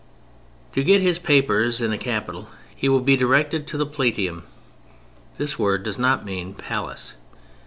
To get his papers in the Capital he will be directed to the "Palatium." This word does not mean "Palace."